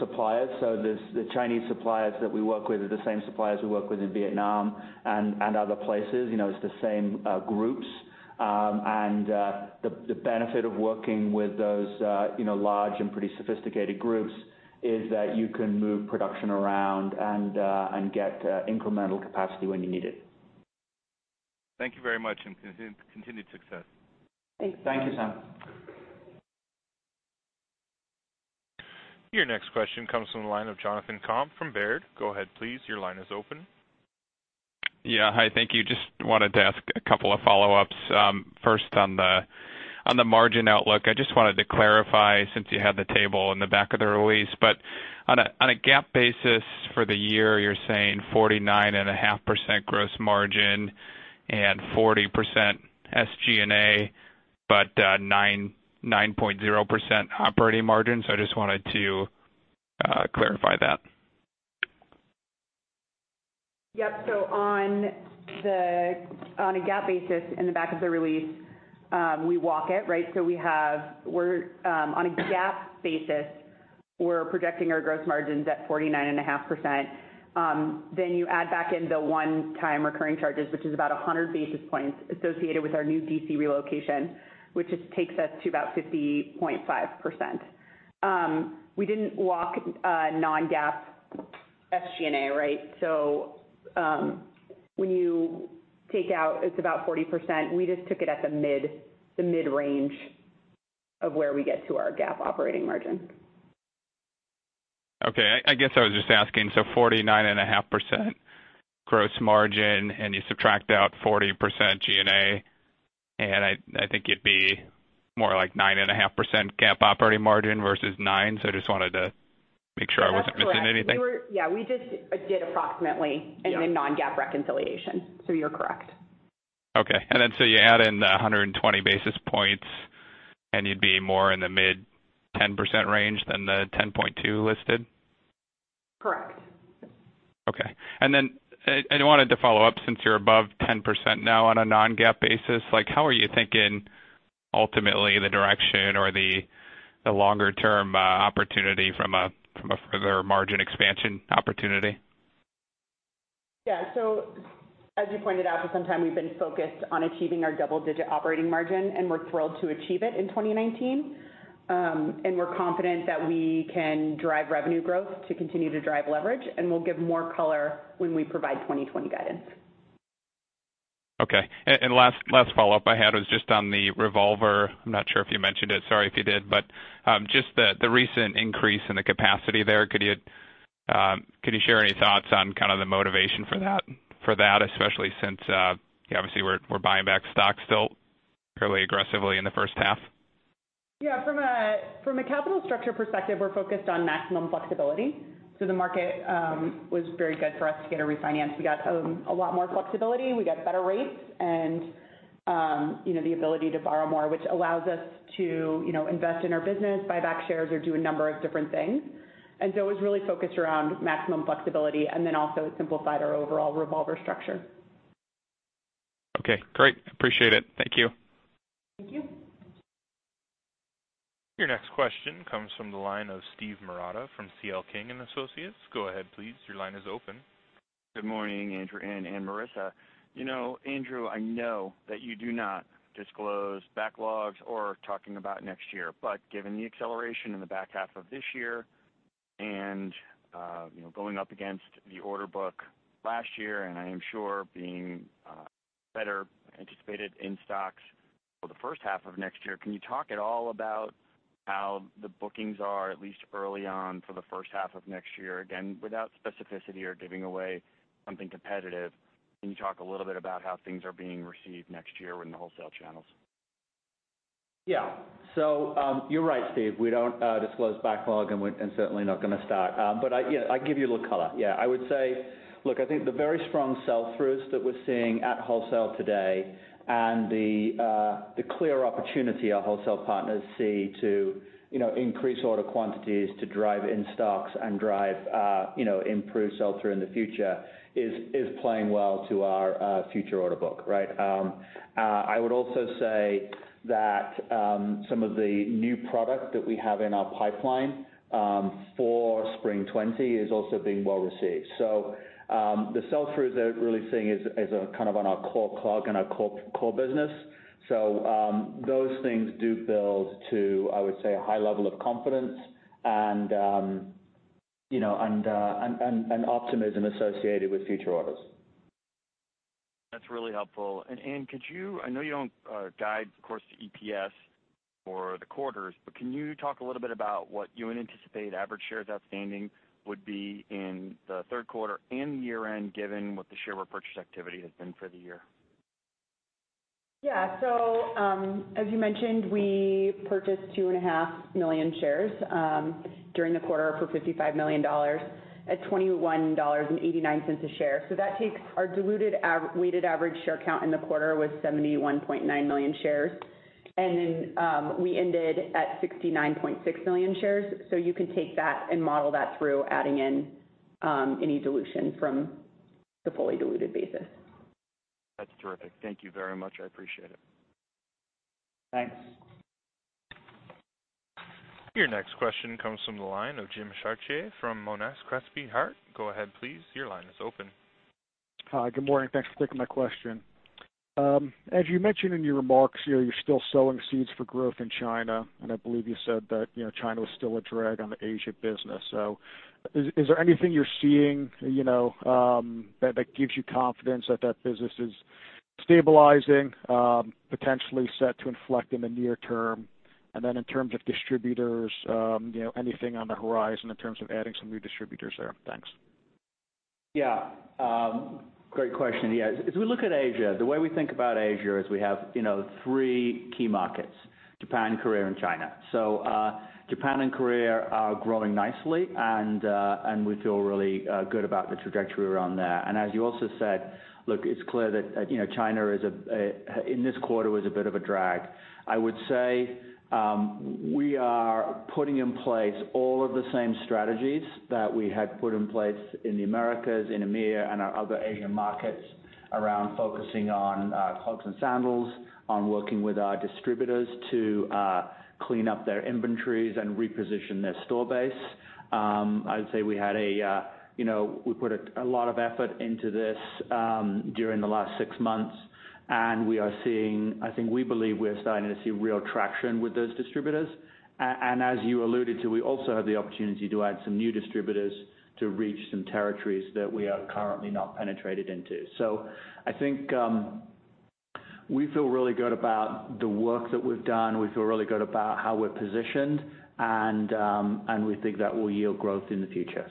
C: suppliers. The Chinese suppliers that we work with are the same suppliers we work with in Vietnam and other places. It's the same groups. The benefit of working with those large and pretty sophisticated groups is that you can move production around and get incremental capacity when you need it.
H: Thank you very much, and continued success.
D: Thanks.
C: Thank you, Sam.
A: Your next question comes from the line of Jonathan Komp from Baird. Go ahead, please. Your line is open.
E: Yeah. Hi, thank you. Just wanted to ask a couple of follow-ups. First, on the margin outlook, I just wanted to clarify, since you had the table in the back of the release. On a GAAP basis for the year, you're saying 49.5% gross margin and 40% SG&A, but 9.0% operating margin. I just wanted to clarify that.
D: Yep. On a GAAP basis in the back of the release, we walk it, right? On a GAAP basis, we're projecting our gross margins at 49.5%. You add back in the one-time recurring charges, which is about 100 basis points associated with our new DC relocation, which just takes us to about 50.5%. We didn't walk non-GAAP SG&A, right? When you take out, it's about 40%. We just took it at the mid-range of where we get to our GAAP operating margin.
E: I guess I was just asking, 49.5% gross margin. You subtract out 40% G&A. I think it'd be more like 9.5% GAAP operating margin versus 9%. I just wanted to make sure I wasn't...
D: That's correct....
E: Missing anything?
D: Yeah, we just did approximately...
E: Yeah...
D: In the non-GAAP reconciliation. You're correct.
E: Okay. You add in 120 basis points, and you'd be more in the mid 10% range than the 10.2% listed?
D: Correct.
E: Okay. I wanted to follow up, since you're above 10% now on a non-GAAP basis, how are you thinking ultimately the direction or the longer-term opportunity from a further margin expansion opportunity?
D: As you pointed out, for some time we've been focused on achieving our double-digit operating margin, and we're thrilled to achieve it in 2019. We're confident that we can drive revenue growth to continue to drive leverage, and we'll give more color when we provide 2020 guidance.
E: Okay. Last follow-up I had was just on the revolver. I'm not sure if you mentioned it. Sorry if you did. Just the recent increase in the capacity there, could you share any thoughts on the motivation for that, especially since you obviously were buying back stock still fairly aggressively in the first half?
D: Yeah. From a capital structure perspective, we're focused on maximum flexibility. The market was very good for us to get a refinance. We got a lot more flexibility. We got better rates and the ability to borrow more, which allows us to invest in our business, buy back shares, or do a number of different things. It was really focused around maximum flexibility and then also it simplified our overall revolver structure.
E: Okay, great. Appreciate it. Thank you.
D: Thank you.
A: Your next question comes from the line of Steve Marotta from C.L. King & Associates. Go ahead, please. Your line is open.
I: Good morning, Andrew, Anne, and Marisa. Andrew, I know that you do not disclose backlogs or talking about next year, but given the acceleration in the back half of this year and going up against the order book last year, and I am sure being better anticipated in stocks for the first half of next year, can you talk at all about how the bookings are, at least early on for the first half of next year? Without specificity or giving away something competitive, can you talk a little bit about how things are being received next year in the wholesale channels?
C: You're right, Steve. We don't disclose backlog, and certainly not going to start. I give you a little color. I would say, look, I think the very strong sell-throughs that we're seeing at wholesale today and the clear opportunity our wholesale partners see to increase order quantities to drive in stocks and drive improved sell-through in the future is playing well to our future order book, right? I would also say that some of the new product that we have in our pipeline for spring 2020 is also being well-received. The sell-through that we're really seeing is on our core clog and our core business. Those things do build to, I would say, a high level of confidence and optimism associated with future orders.
I: That's really helpful. Anne, I know you don't guide, of course, to EPS for the quarters, but can you talk a little bit about what you would anticipate average shares outstanding would be in the third quarter and year-end, given what the share repurchase activity has been for the year?
D: Yeah. As you mentioned, we purchased 2.5 million shares during the quarter for $55 million at $21.89 a share. That takes our diluted weighted average share count in the quarter was 71.9 million shares, we ended at 69.6 million shares. You can take that and model that through adding in any dilution from the fully diluted basis.
I: That's terrific. Thank you very much. I appreciate it.
C: Thanks.
A: Your next question comes from the line of Jim Chartier from Monness, Crespi, Hardt. Go ahead, please. Your line is open.
J: Hi. Good morning. Thanks for taking my question. As you mentioned in your remarks, you're still sowing seeds for growth in China, I believe you said that China was still a drag on the Asia business. Is there anything you're seeing that gives you confidence that that business is stabilizing, potentially set to inflect in the near term. In terms of distributors, anything on the horizon in terms of adding some new distributors there? Thanks.
C: Great question. As we look at Asia, the way we think about Asia is we have three key markets, Japan, Korea, and China. Japan and Korea are growing nicely and we feel really good about the trajectory around there. As you also said, look, it's clear that China in this quarter was a bit of a drag. I would say, we are putting in place all of the same strategies that we had put in place in the Americas, in EMEA, and our other Asian markets around focusing on clogs and sandals, on working with our distributors to clean up their inventories and reposition their store base. I would say we put a lot of effort into this during the last six months, and I think we believe we're starting to see real traction with those distributors. As you alluded to, we also have the opportunity to add some new distributors to reach some territories that we are currently not penetrated into. I think, we feel really good about the work that we've done. We feel really good about how we're positioned and we think that will yield growth in the future.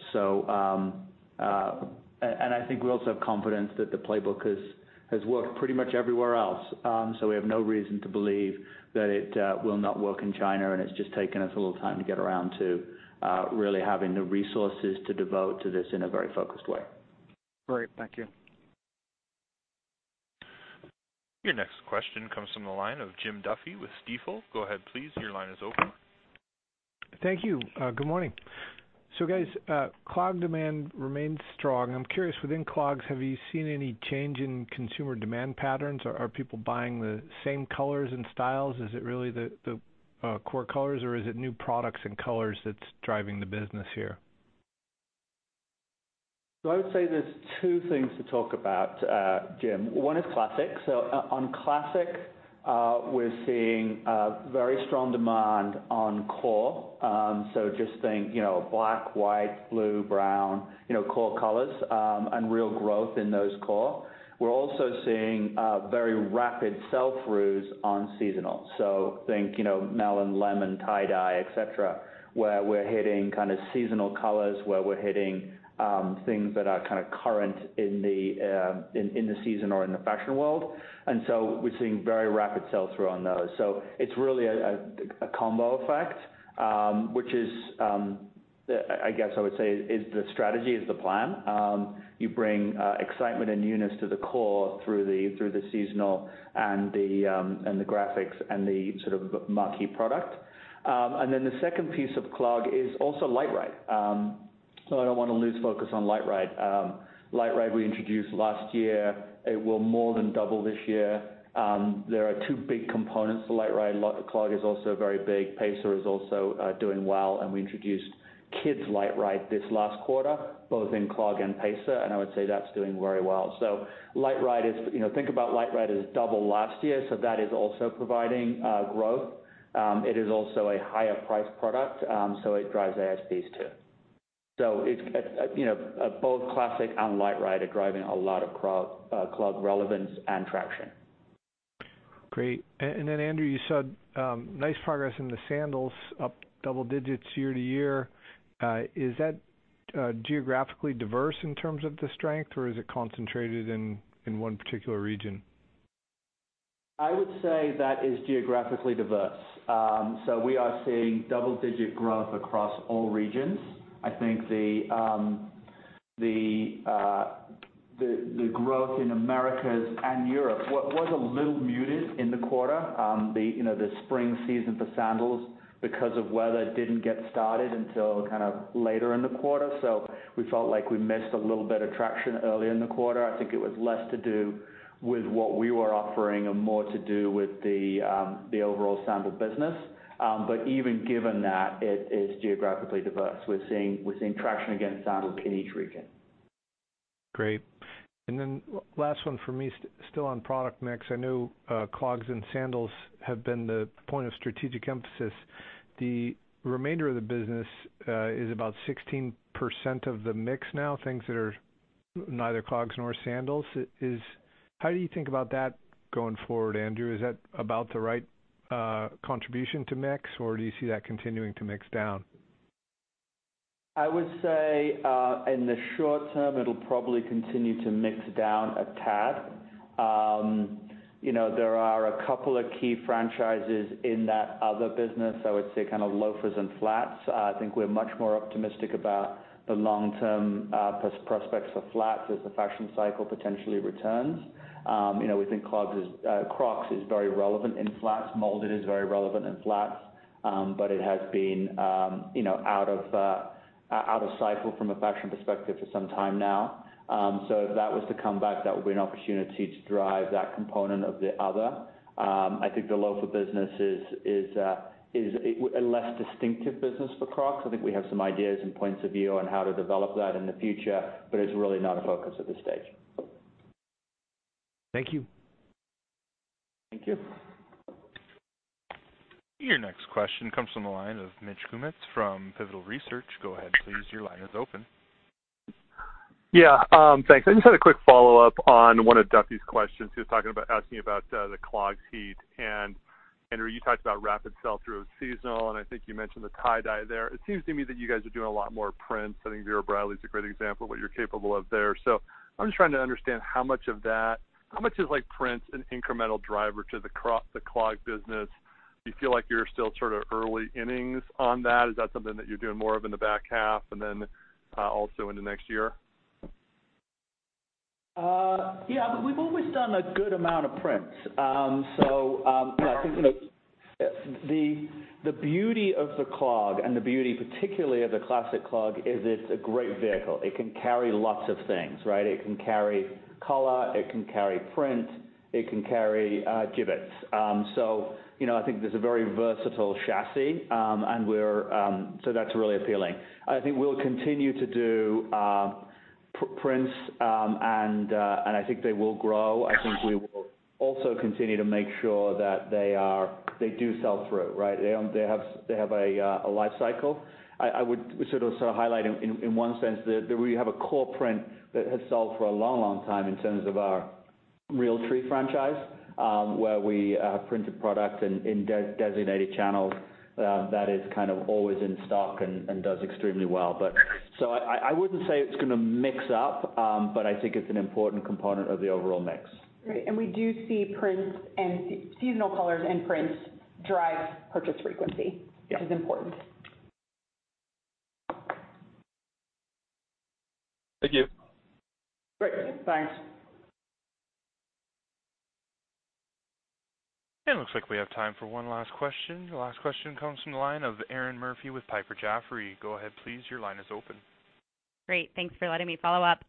C: I think we also have confidence that the playbook has worked pretty much everywhere else. We have no reason to believe that it will not work in China, and it's just taken us a little time to get around to really having the resources to devote to this in a very focused way.
J: Great. Thank you.
A: Your next question comes from the line of Jim Duffy with Stifel. Go ahead, please. Your line is open.
K: Thank you. Good morning. Guys, clog demand remains strong. I'm curious, within clogs, have you seen any change in consumer demand patterns? Are people buying the same colors and styles? Is it really the core colors or is it new products and colors that's driving the business here?
C: I would say there's two things to talk about, Jim. One is Classic. On Classic, we're seeing very strong demand on core. Just think black, white, blue, brown, core colors, and real growth in those core. We're also seeing very rapid sell-throughs on seasonal. Think melon, lemon, tie-dye, et cetera, where we're hitting kind of seasonal colors, where we're hitting things that are kind of current in the season or in the fashion world. We're seeing very rapid sell-through on those. It's really a combo effect, which is I guess I would say is the strategy, is the plan. You bring excitement and newness to the core through the seasonal and the graphics and the sort of marquee product. The second piece of Clog is also LiteRide. I don't wanna lose focus on LiteRide. LiteRide we introduced last year. It will more than double this year. There are two big components to LiteRide. clog is also very big. Pacer is also doing well. We introduced Kids LiteRide this last quarter, both in clog and Pacer, and I would say that's doing very well. Think about LiteRide as double last year, that is also providing growth. It is also a higher priced product, it drives ASPs, too. Both Classic and LiteRide are driving a lot of clog relevance and traction.
K: Great. Andrew, you said, nice progress in the sandals, up double digits year-to-year. Is that geographically diverse in terms of the strength, or is it concentrated in one particular region?
C: I would say that is geographically diverse. We are seeing double-digit growth across all regions. I think the growth in Americas and Europe was a little muted in the quarter. The spring season for sandals, because of weather, didn't get started until kind of later in the quarter. We felt like we missed a little bit of traction early in the quarter. I think it was less to do with what we were offering and more to do with the overall sandal business. Even given that, it is geographically diverse. We're seeing traction against sandal in each region.
K: Great. Last one from me, still on product mix. I know clogs and sandals have been the point of strategic emphasis. The remainder of the business is about 16% of the mix now, things that are neither clogs nor sandals. How do you think about that going forward, Andrew? Is that about the right contribution to mix, or do you see that continuing to mix down?
C: I would say, in the short term, it'll probably continue to mix down a tad. There are a couple of key franchises in that other business. I would say kind of loafers and flats. I think we're much more optimistic about the long-term prospects for flats as the fashion cycle potentially returns. We think Crocs is very relevant in flats. Molded is very relevant in flats. It has been out of cycle from a fashion perspective for some time now. If that was to come back, that would be an opportunity to drive that component of the other. I think the loafer business is a less distinctive business for Crocs. I think we have some ideas and points of view on how to develop that in the future, but it's really not a focus at this stage.
K: Thank you.
C: Thank you.
A: Your next question comes from the line of Mitch Kummetz from Pivotal Research. Go ahead, please. Your line is open.
G: Yeah, thanks. I just had a quick follow-up on one of Duffy's questions. He was asking about the Clogs piece. Andrew, you talked about rapid sell-through is seasonal, and I think you mentioned the tie-dye there. It seems to me that you guys are doing a lot more prints. I think Vera Bradley is a great example of what you're capable of there. I'm just trying to understand how much of that, how much is print an incremental driver to the Clog business? Do you feel like you're still sort of early innings on that? Is that something that you're doing more of in the back half and then also into next year?
C: Yeah. We've always done a good amount of prints. I think the beauty of the Clog and the beauty particularly of the Classic Clog is it's a great vehicle. It can carry lots of things, right? It can carry color, it can carry print, it can carry Jibbitz. I think there's a very versatile chassis, so that's really appealing. I think we'll continue to do prints, and I think they will grow. I think we will also continue to make sure that they do sell through, right? They have a life cycle. I would sort of highlight in one sense that we have a core print that has sold for a long time in terms of our Realtree franchise, where we print a product in designated channels that is kind of always in stock and does extremely well. I wouldn't say it's going to mix up, but I think it's an important component of the overall mix.
D: Right. We do see prints and seasonal colors and prints drive purchase frequency...
C: Yeah....
D: Which is important.
G: Thank you.
C: Great. Thanks.
A: Looks like we have time for one last question. The last question comes from the line of Erinn Murphy with Piper Jaffray. Go ahead, please. Your line is open.
F: Great. Thanks for letting me follow up.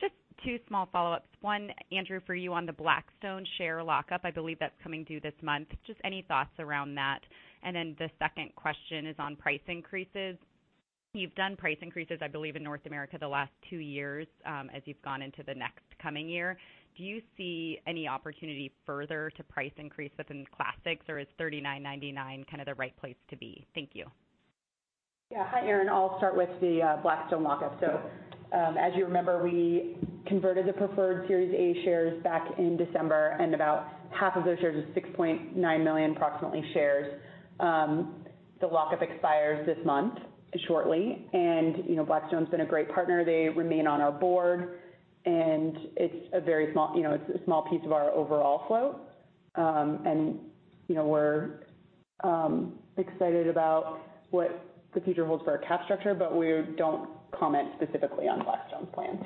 F: Just two small follow-ups. One, Andrew, for you on the Blackstone share lock-up, I believe that's coming due this month. Just any thoughts around that. The second question is on price increases. You've done price increases, I believe, in North America the last two years, as you've gone into the next coming year. Do you see any opportunity further to price increase within Classics, or is $39.99 kind of the right place to be? Thank you.
D: Yeah. Hi, Erinn. I'll start with the Blackstone lock-up. As you remember, we converted the preferred Series A shares back in December, and about half of those shares is 6.9 million approximately shares. The lock-up expires this month, shortly. Blackstone's been a great partner. They remain on our board, and it's a small piece of our overall float. We're excited about what the future holds for our cap structure, but we don't comment specifically on Blackstone's plans.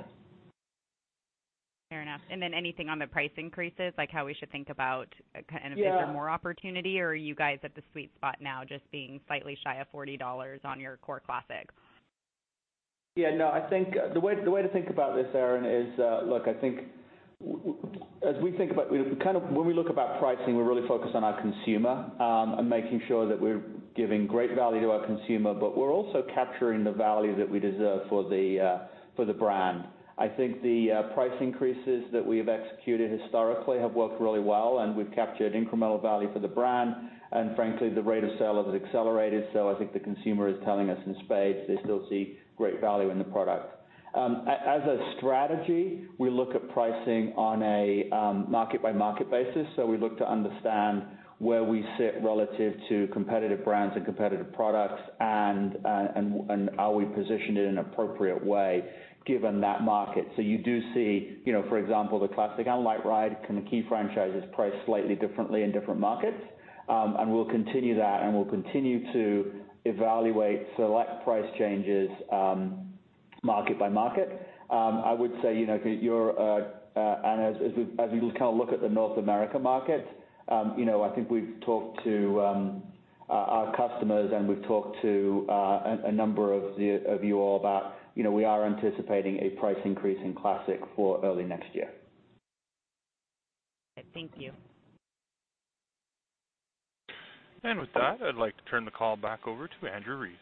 F: Fair enough. Anything on the price increases, like how we should think about?
D: Yeah
F: Is there more opportunity, or are you guys at the sweet spot now, just being slightly shy of $40 on your core Classics?
C: Yeah, no, I think the way to think about this, Erinn, is, look, I think when we look about pricing, we're really focused on our consumer, and making sure that we're giving great value to our consumer. We're also capturing the value that we deserve for the brand. I think the price increases that we have executed historically have worked really well, and we've captured incremental value for the brand, and frankly, the rate of sale has accelerated. I think the consumer is telling us in spades they still see great value in the product. As a strategy, we look at pricing on a market-by-market basis. We look to understand where we sit relative to competitive brands and competitive products and are we positioned in an appropriate way given that market. You do see, for example, the Classic and LiteRide kind of key franchises priced slightly differently in different markets. We'll continue that. We'll continue to evaluate select price changes, market by market. I would say, as we kind of look at the North America market, I think we've talked to our customers and we've talked to a number of you all about we are anticipating a price increase in Classic for early next year.
F: Thank you.
A: With that, I'd like to turn the call back over to Andrew Rees.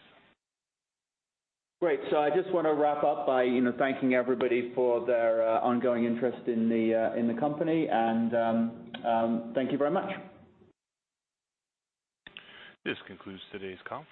C: Great. I just want to wrap up by thanking everybody for their ongoing interest in the company, and thank you very much.
A: This concludes today's conference.